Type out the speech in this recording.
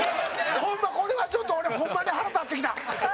ホンマ、これは、ちょっと俺、ホンマに腹立ってきた。